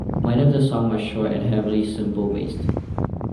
Many of the songs are short and heavily sample-based.